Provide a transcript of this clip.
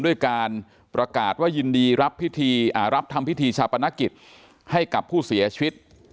ด้วยการประกาศว่ายินดีรับทำพิธีชาปนกิจให้กับผู้เสียชีวิต